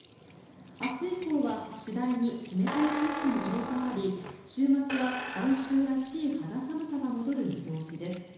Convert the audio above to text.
明日以降は次第に冷たい空気に入れ替わり週末は晩秋らしい肌寒さが戻る見通しです。